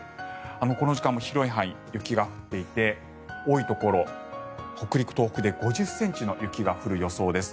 この時間も広い範囲で雪が降っていて多いところ、北陸、東北で５０ｃｍの雪が降る予報です。